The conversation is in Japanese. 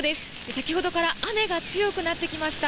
先ほどから雨が強くなってきました。